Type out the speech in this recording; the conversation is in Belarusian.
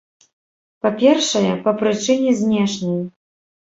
Па-першае, па прычыне знешняй.